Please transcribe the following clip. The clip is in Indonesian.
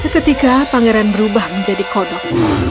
seketika pangeran berubah menjadi kodok